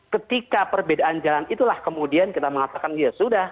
ketika perbedaan jalan itulah kemudian kita mengatakan ya sudah